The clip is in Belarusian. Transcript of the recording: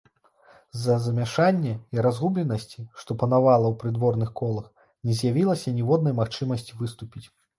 З-за замяшання і разгубленасці, што панавала ў прыдворных колах, не з'явілася ніводнай магчымасці выступіць.